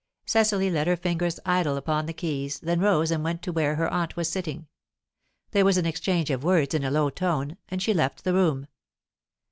Cecily let her fingers idle upon the keys, then rose and went to where her aunt was sitting. There was an exchange of words in a low tone, and she left the room.